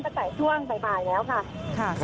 ตั้งแต่ช่วงบ่ายแล้วค่ะ